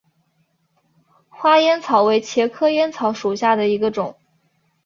花烟草为茄科烟草属下的一个种。